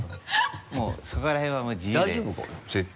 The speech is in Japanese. もうそこら辺は自由で。